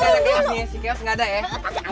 jadi kaya kaya si keos enggak ada ya